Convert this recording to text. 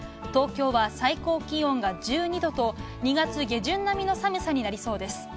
東京は最高気温が１２度と２月下旬並みの寒さになりそうです。